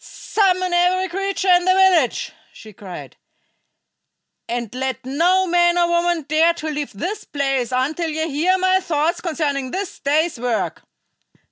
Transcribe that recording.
"Summon every creature in the village," she cried, "and let no man or woman dare to leave this place until ye hear my thoughts concerning this day's work!"